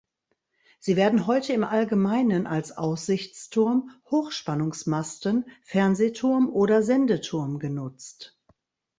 Sie werden heute im Allgemeinen als Aussichtsturm, Hochspannungsmasten, Fernsehturm oder Sendeturm genutzt.